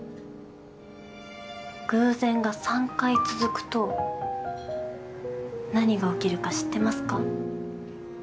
偶然が３回続くと何が起きるか知ってますか？